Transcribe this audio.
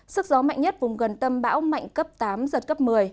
sức gió mạnh nhất vùng gần tâm bão mạnh cấp tám giật cấp một mươi